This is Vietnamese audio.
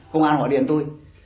công an hỏi điện tôi